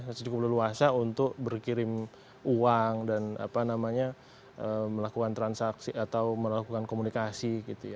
masih cukup leluasa untuk berkirim uang dan melakukan transaksi atau melakukan komunikasi